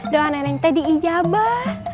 doa neneng teh diijabah